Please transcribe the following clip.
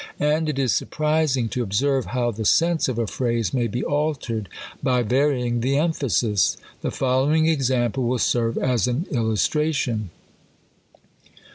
And it is surprising to observe how the sense of a phrase may be altered b^ varying the emphasis. The following example will serve as an illustration.